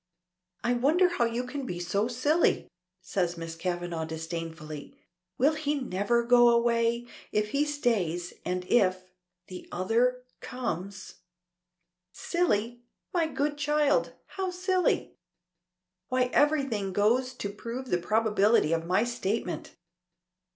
"I wonder how you can be so silly," says Miss Kavanagh disdainfully. Will he never go away! If he stays, and if the other comes "Silly! my good child. How silly! Why everything goes to prove the probability of my statement.